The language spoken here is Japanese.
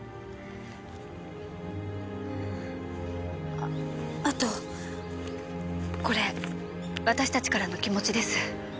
あっあとこれ私たちからの気持ちです。